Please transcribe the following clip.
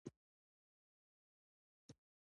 د لارډ کورنوالیس ته د تیمورشاه لیک ولېږل شو.